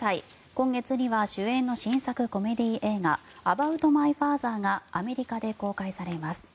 今月には主演の新作コメディー映画「ＡｂｏｕｔＭｙＦａｔｈｅｒ」がアメリカで公開されます。